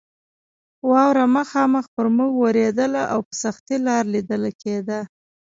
واوره مخامخ پر موږ ورېدله او په سختۍ لار لیدل کېده.